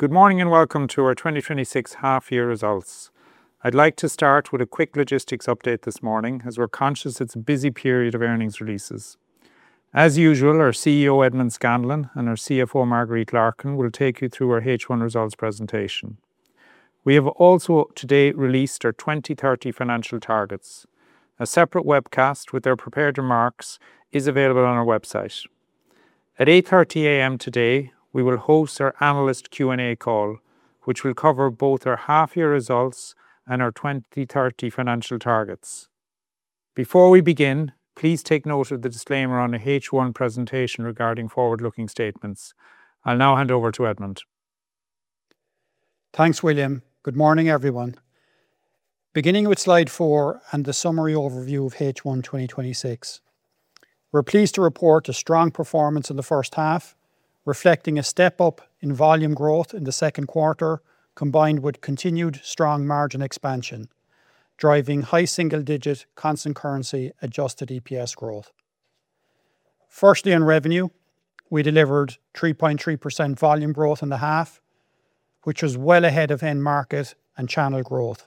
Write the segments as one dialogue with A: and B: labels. A: Good morning, welcome to our 2026 half year results. I'd like to start with a quick logistics update this morning, as we're conscious it's a busy period of earnings releases. As usual, our CEO, Edmond Scanlon, and our CFO, Marguerite Larkin, will take you through our H1 results presentation. We have also today released our 2030 financial targets. A separate webcast with their prepared remarks is available on our website. At 8:30 A.M. today, we will host our analyst Q&A call, which will cover both our half year results and our 2030 financial targets. Before we begin, please take note of the disclaimer on the H1 presentation regarding forward-looking statements. I'll now hand over to Edmond.
B: Thanks, William. Good morning, everyone. Beginning with slide four and the summary overview of H1 2026. We're pleased to report a strong performance in the first half, reflecting a step up in volume growth in the second quarter, combined with continued strong margin expansion, driving high single digit constant currency adjusted EPS growth. Firstly, on revenue, we delivered 3.3% volume growth in the half, which was well ahead of end market and channel growth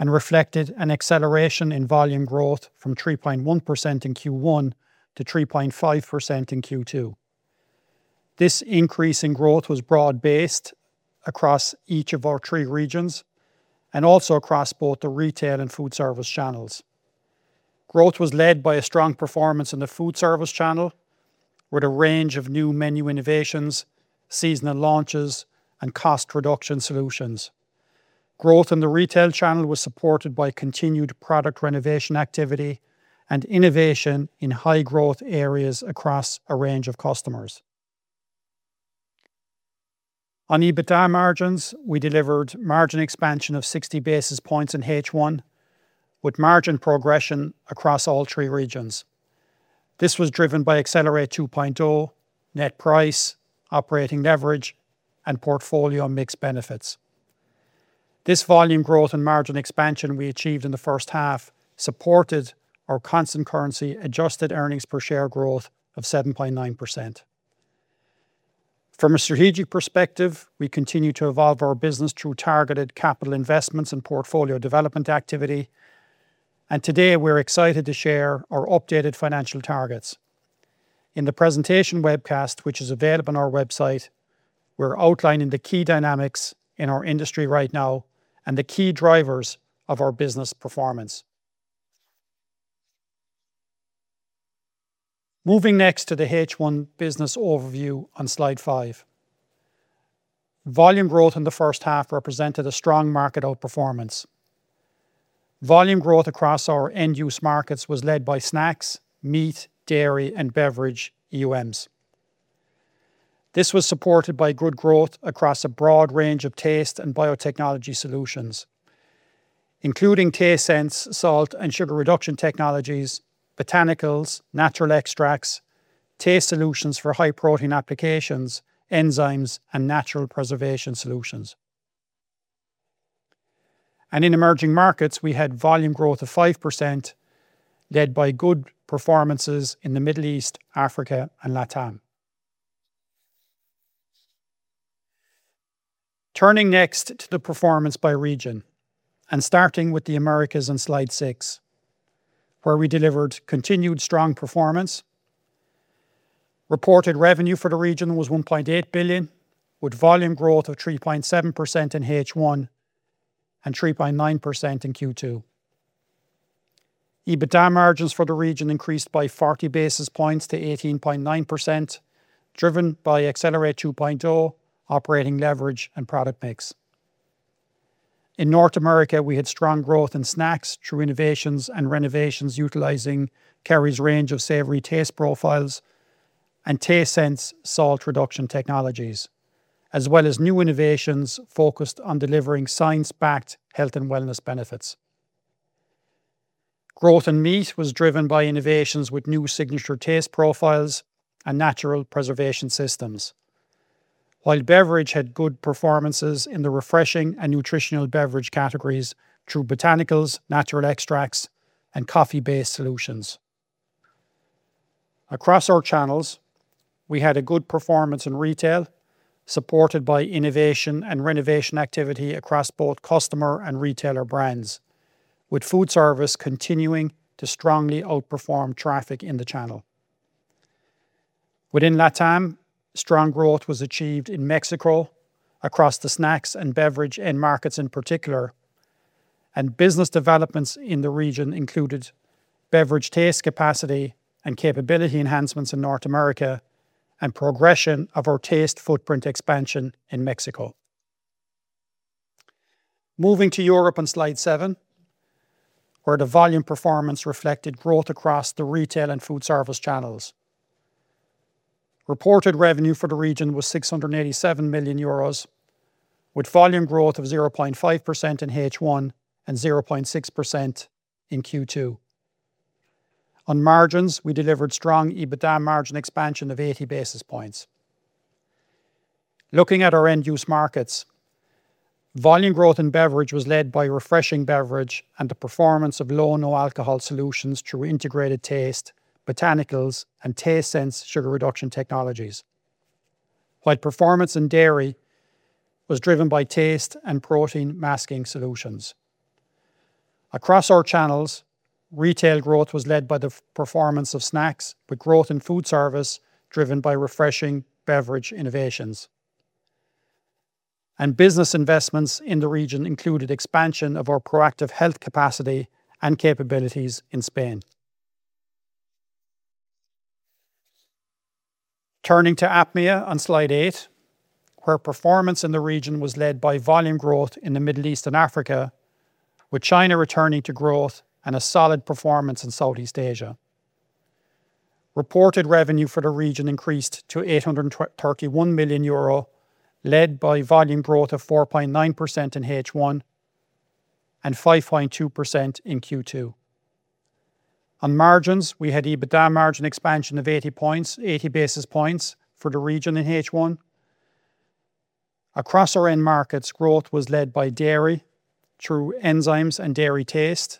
B: and reflected an acceleration in volume growth from 3.1% in Q1 to 3.5% in Q2. This increase in growth was broad based across each of our three regions and also across both the retail and food service channels. Growth was led by a strong performance in the food service channel with a range of new menu innovations, seasonal launches, and cost reduction solutions. Growth in the retail channel was supported by continued product renovation activity and innovation in high growth areas across a range of customers. On EBITDA margins, we delivered margin expansion of 60 basis points in H1 with margin progression across all three regions. This was driven by Accelerate 2.0, net price, operating leverage, and portfolio mix benefits. This volume growth and margin expansion we achieved in the first half supported our constant currency adjusted earnings per share growth of 7.9%. From a strategic perspective, we continue to evolve our business through targeted capital investments and portfolio development activity. Today, we're excited to share our updated financial targets. In the presentation webcast, which is available on our website, we're outlining the key dynamics in our industry right now and the key drivers of our business performance. Moving next to the H1 business overview on Slide five. Volume growth in the first half represented a strong market outperformance. Volume growth across our End Use Markets was led by snacks, meat, dairy, and beverage EUMs. This was supported by good growth across a broad range of taste and biotechnology solutions, including Tastesense salt and sugar reduction technologies, botanicals, natural extracts, taste solutions for high protein applications, enzymes, and natural preservation solutions. In emerging markets, we had volume growth of 5% led by good performances in the Middle East, Africa and LATAM. Turning next to the performance by region and starting with the Americas on slide six, where we delivered continued strong performance. Reported revenue for the region was 1.8 billion, with volume growth of 3.7% in H1 and 3.9% in Q2. EBITDA margins for the region increased by 40 basis points to 18.9%, driven by Accelerate 2.0, operating leverage, and product mix. In North America, we had strong growth in snacks through innovations and renovations utilizing Kerry's range of savory taste profiles and Tastesense salt reduction technologies, as well as new innovations focused on delivering science-backed health and wellness benefits. Growth in meat was driven by innovations with new signature taste profiles and natural preservation systems. While beverage had good performances in the refreshing and nutritional beverage categories through botanicals, natural extracts, and coffee-based solutions. Across our channels, we had a good performance in retail, supported by innovation and renovation activity across both customer and retailer brands, with food service continuing to strongly outperform traffic in the channel. Within LATAM, strong growth was achieved in Mexico across the snacks and beverage end markets in particular, and business developments in the region included beverage taste capacity and capability enhancements in North America and progression of our taste footprint expansion in Mexico. Moving to Europe on slide seven, where the volume performance reflected growth across the retail and food service channels. Reported revenue for the region was 687 million euros, with volume growth of 0.5% in H1 and 0.6% in Q2. On margins, we delivered strong EBITDA margin expansion of 80 basis points. Looking at our End Use Markets, volume growth in beverage was led by refreshing beverage and the performance of low/no alcohol solutions through integrated taste, botanicals, and Tastesense sugar reduction technologies. While performance in dairy was driven by taste and protein masking solutions. Across our channels, retail growth was led by the performance of snacks with growth in food service driven by refreshing beverage innovations. And business investments in the region included expansion of our ProActive Health capacity and capabilities in Spain. Turning to APMEA on slide eight, where performance in the region was led by volume growth in the Middle East and Africa, with China returning to growth and a solid performance in Southeast Asia. Reported revenue for the region increased to EUR 831 million, led by volume growth of 4.9% in H1 and 5.2% in Q2. On margins, we had EBITDA margin expansion of 80 basis points for the region in H1. Across our end markets, growth was led by dairy through enzymes and dairy taste.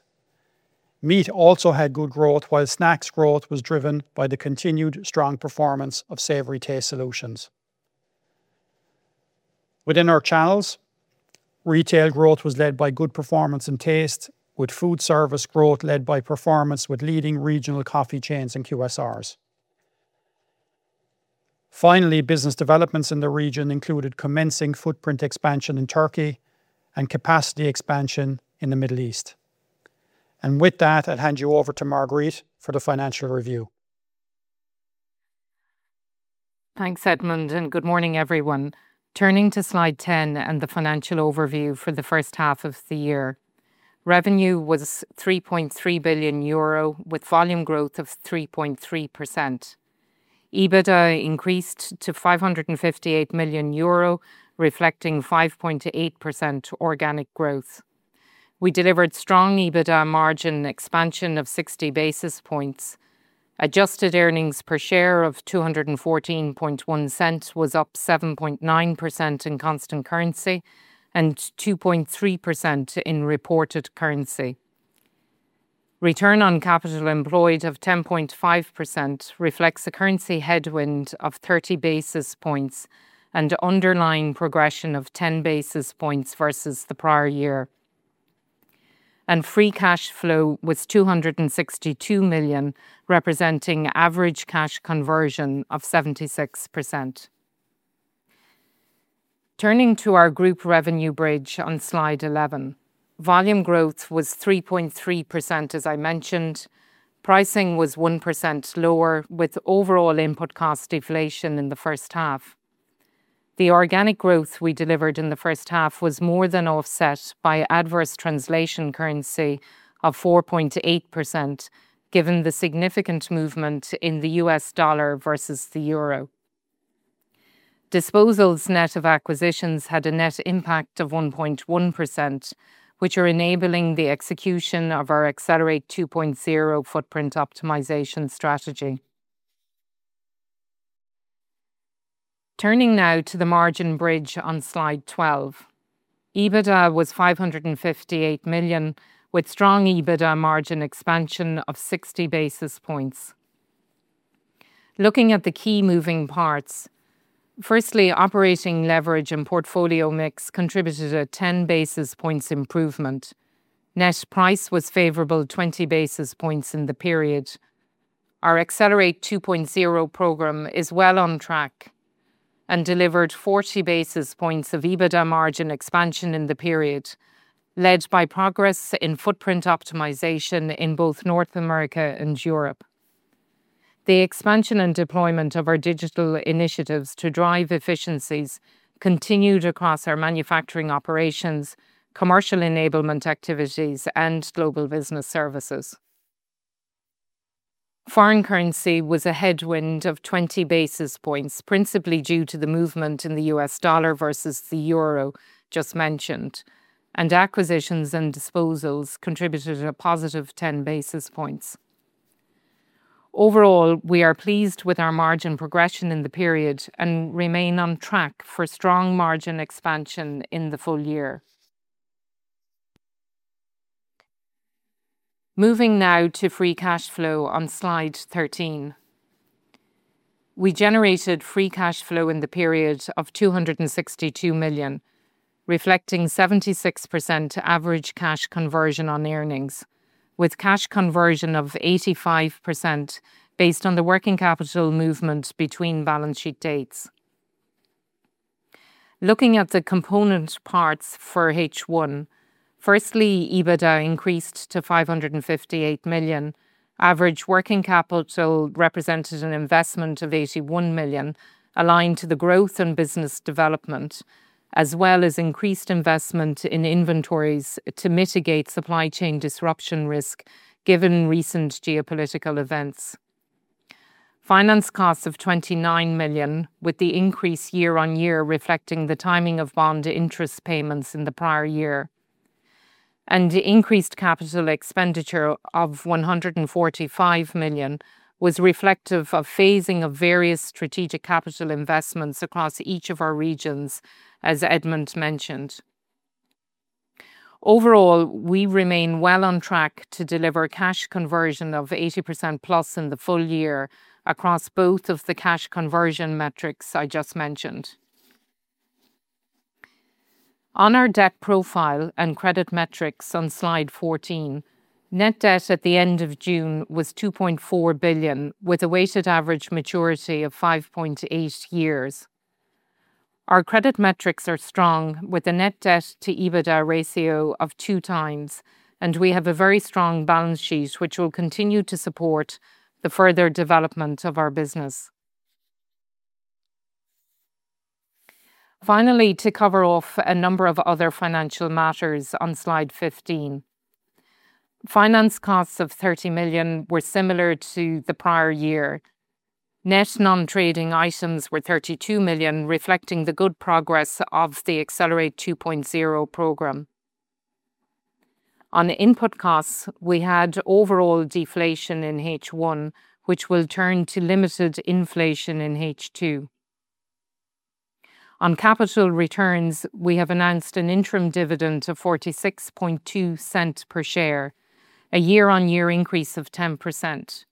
B: Meat also had good growth, while snacks growth was driven by the continued strong performance of savory taste solutions. Within our channels, retail growth was led by good performance in taste, with food service growth led by performance with leading regional coffee chains and QSRs. Finally, business developments in the region included commencing footprint expansion in Türkiye and capacity expansion in the Middle East. With that, I'll hand you over to Marguerite for the financial review.
C: Thanks, Edmond, and good morning, everyone. Turning to slide 10 and the financial overview for the first half of the year. Revenue was 3.3 billion euro with volume growth of 3.3%. EBITDA increased to 558 million euro, reflecting 5.8% organic growth. We delivered strong EBITDA margin expansion of 60 basis points. Adjusted earnings per share of 2.141 was up 7.9% in constant currency and 2.3% in reported currency. Return on capital employed of 10.5% reflects a currency headwind of 30 basis points and underlying progression of 10 basis points versus the prior year. Free cash flow was 262 million, representing average cash conversion of 76%. Turning to our group revenue bridge on slide 11. Volume growth was 3.3%, as I mentioned. Pricing was 1% lower, with overall input cost deflation in the first half. The organic growth we delivered in the first half was more than offset by adverse translation currency of 4.8%, given the significant movement in the U.S. dollar versus the euro. Disposals net of acquisitions had a net impact of 1.1%, which are enabling the execution of our Accelerate 2.0 footprint optimization strategy. Turning now to the margin bridge on slide 12. EBITDA was 558 million, with strong EBITDA margin expansion of 60 basis points. Looking at the key moving parts. Firstly, operating leverage and portfolio mix contributed a 10 basis points improvement. Net price was favorable 20 basis points in the period. Our Accelerate 2.0 program is well on track and delivered 40 basis points of EBITDA margin expansion in the period, led by progress in footprint optimization in both North America and Europe. The expansion and deployment of our digital initiatives to drive efficiencies continued across our manufacturing operations, commercial enablement activities, and global business services. Foreign currency was a headwind of 20 basis points, principally due to the movement in the U.S. dollar versus the euro just mentioned. Acquisitions and disposals contributed a +10 basis points. Overall, we are pleased with our margin progression in the period and remain on track for strong margin expansion in the full year. Moving now to free cash flow on slide 13. We generated free cash flow in the period of EUR 262 million, reflecting 76% average cash conversion on earnings, with cash conversion of 85% based on the working capital movement between balance sheet dates. Looking at the component parts for H1. Firstly, EBITDA increased to 558 million. Average working capital represented an investment of 81 million, aligned to the growth and business development, as well as increased investment in inventories to mitigate supply chain disruption risk given recent geopolitical events. Finance costs of 29 million, with the increase year-on-year reflecting the timing of bond interest payments in the prior year. Increased capital expenditure of 145 million was reflective of phasing of various strategic capital investments across each of our regions, as Edmond mentioned. Overall, we remain well on track to deliver cash conversion of 80%+ in the full year across both of the cash conversion metrics I just mentioned. On our debt profile and credit metrics on slide 14, net debt at the end of June was 2.4 billion, with a weighted average maturity of 5.8 years. Our credit metrics are strong, with a net debt-to-EBITDA ratio of 2x, we have a very strong balance sheet, which will continue to support the further development of our business. Finally, to cover off a number of other financial matters on slide 15. Finance costs of 30 million were similar to the prior year. Net non-trading items were 32 million, reflecting the good progress of the Accelerate 2.0 program. On input costs, we had overall deflation in H1, which will turn to limited inflation in H2. On capital returns, we have announced an interim dividend of 0.462 per share, a year-on-year increase of 10%.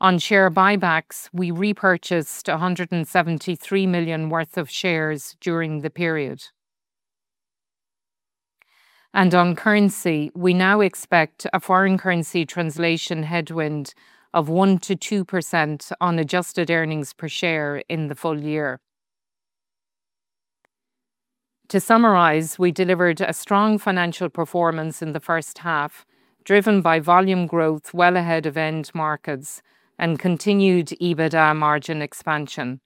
C: On share buybacks, we repurchased 173 million worth of shares during the period. On currency, we now expect a foreign currency translation headwind of 1%-2% on adjusted earnings per share in the full year. To summarize, we delivered a strong financial performance in the first half, driven by volume growth well ahead of end markets and continued EBITDA margin expansion.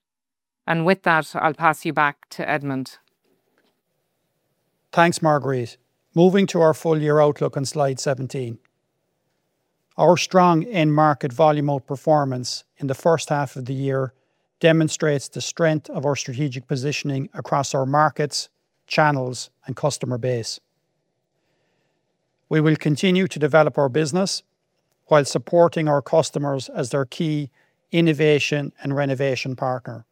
C: With that, I'll pass you back to Edmond.
B: Thanks, Marguerite. Moving to our full year outlook on slide 17. Our strong end market volume outperformance in the first half of the year demonstrates the strength of our strategic positioning across our markets, channels, and customer base. We will continue to develop our business while supporting our customers as their key innovation and renovation partner.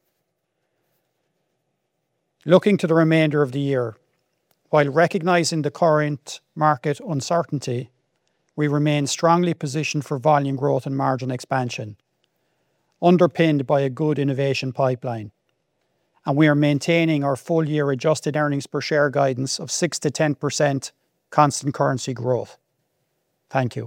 B: Looking to the remainder of the year, while recognizing the current market uncertainty, we remain strongly positioned for volume growth and margin expansion, underpinned by a good innovation pipeline. We are maintaining our full year adjusted earnings per share guidance of 6%-10% constant currency growth. Thank you